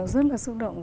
rất là xúc động